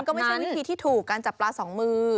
ก็ไม่ใช่วิธีที่ถูกการจับปลาสองมือ